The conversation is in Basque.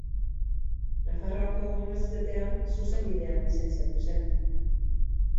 Nafarroako Unibertsitatean Zuzenbidean lizentziatu zen.